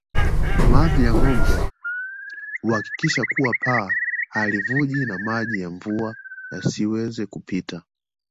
Mavi ya ngombe huhakikisha kuwa paa halivuji na maji ya mvua yasiweze kupita